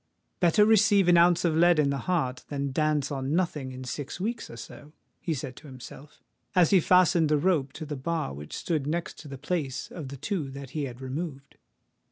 "Better receive an ounce of lead in the heart than dance on nothing in six weeks or so," he said to himself, as he fastened the rope to the bar which stood next to the place of the two that he had removed.